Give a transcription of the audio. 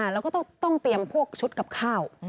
เราก็ต้องเตรียมผักชุดกับข้าว